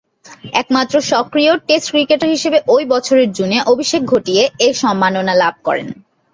একমাত্র সক্রিয় test cricketer হিসেবে ঐ বছরের জুনে অভিষেক ঘটিয়ে এ সম্মাননা লাভ করেন।